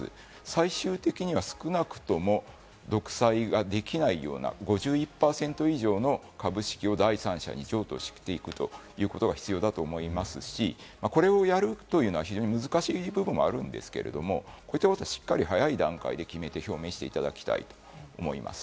最終的には少なくとも独裁ができないような、５１％以上の株式を第三者に譲渡していくということが必要だと思いますし、これをやるというのは非常に難しい部分があるんですけれども、もっともっと早い段階で考えて表明していただきたいと思います。